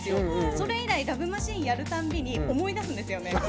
それ以来、「ＬＯＶＥマシーン」やるたんびに思い出すんですよね。